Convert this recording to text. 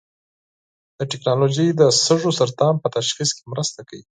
دا ټېکنالوژي د سږو سرطان په تشخیص کې مرسته کوي.